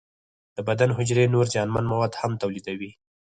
د بدن حجرې نور زیانمن مواد هم تولیدوي.